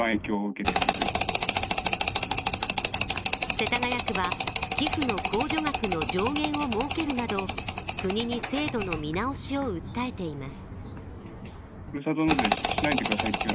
世田谷区は寄付の控除額の上限を設けるなど国に制度の見直しを訴えています。